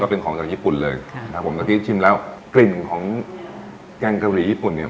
เป็นของจากญี่ปุ่นเลยค่ะครับผมตอนนี้ชิมแล้วกลิ่นของแกงเกาหลีญี่ปุ่นเนี่ย